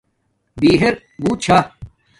بِہر بُوت چھݳ